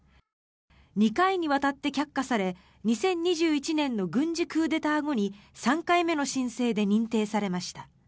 ２回にわたって却下され２０２１年の軍事クーデター後に３回目の申請で認定されました。